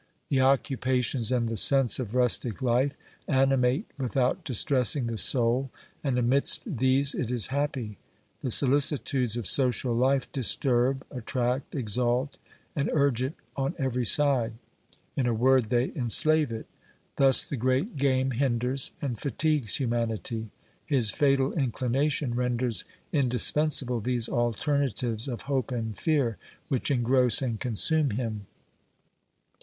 The occupations and the sense of rustic life animate with out distressing the soul, and amidst these it is happy ; the solicitudes of social life disturb, attract, exalt, and urge it on every side ; in a word, they enslave it. Thus the great game hinders and fatigues humanity ; his fatal inclination renders indispensable these alternatives of hope and fear which engross and consume him.